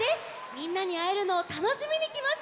みんなにあえるのをたのしみにきました。